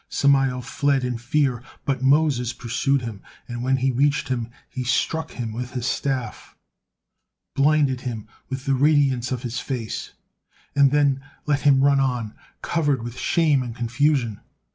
Samael fled in fear, but Moses pursued him, and when he reached him, he struck him with his staff, blinded him with the radiance of his face, and then let him run on, covered with shame and confusion.